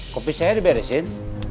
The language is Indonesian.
kopi saya diberesin